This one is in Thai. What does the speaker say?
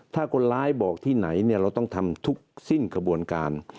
ถ้าคนร้ายบอกที่ไหนเราต้องทำทุกสิ้นกระบวนการ